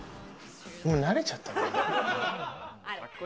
もう慣れちゃった。